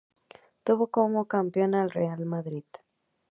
Tuvo como campeón al Real Madrid.